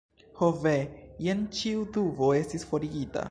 Ho ve, jen ĉiu dubo estis forigita.